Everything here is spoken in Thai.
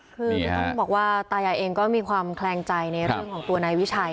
คือก็ต้องบอกว่าตายายเองก็มีความแคลงใจในเรื่องของตัวนายวิชัย